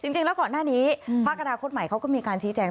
จริงแล้วก่อนหน้านี้ภาคอนาคตใหม่เขาก็มีการชี้แจง